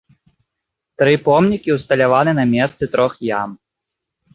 Тры помнікі ўсталяваны на месцы трох ям.